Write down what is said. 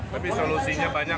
tapi solusinya banyak